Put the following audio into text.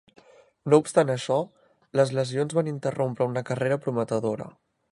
No obstant això, les lesions van interrompre una carrera prometedora.